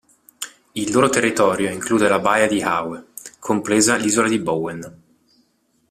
Il loro territorio include la baia di Howe, compresa l'isola di Bowen.